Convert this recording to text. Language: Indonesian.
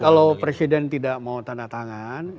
kalau presiden tidak mau tanda tangan